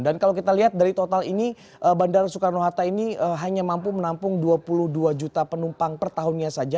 dan kalau kita lihat dari total ini bandara soekarno hatta ini hanya mampu menampung dua puluh dua juta penumpang per tahunnya saja